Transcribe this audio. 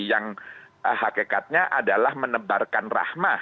yang hakikatnya adalah menebarkan rahmah